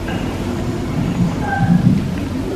早期美国的电灯制造商使用互不兼容的不同底座。